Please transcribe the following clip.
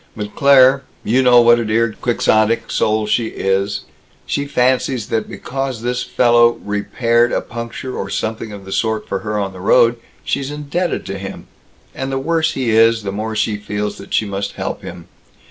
But Claire you know what a dear Quixotic soul she is she fancies that because this fellow repaired a puncture or something of the sort for her on the road, she's indebted to him, and the worse he is, the more she feels that she must help him.